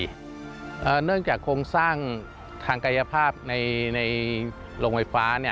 เนื่องจากโครงสร้างทางกายภาพในโรงไฟฟ้า